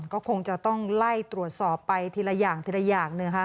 ก็คงจะต้องไล่ตรวจสอบไปทีละอย่างทีละอย่าง